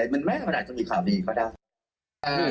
มันไม่ก็จะมีข่าวดีเขาด้วย